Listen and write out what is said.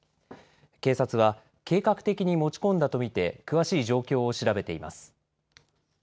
警察は、計画的に持ち込んだと見て、詳しい状況を調べています。